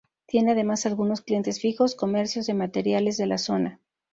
Tiene además algunos clientes fijos, comercios de materiales de la zona.